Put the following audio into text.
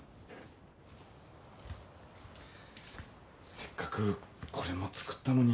せっかくこれも作ったのに。